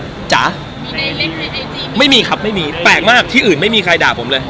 จ๋าไม่มีครับไม่มีแปลกมากที่อื่นไม่มีใครด่าผมเลย